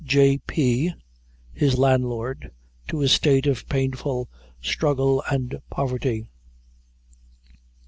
J.P., his landlord, to a state of painful struggle and poverty.